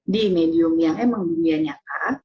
di medium yang emang dunia nyata